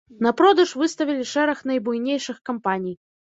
На продаж выставілі шэраг найбуйнейшых кампаній.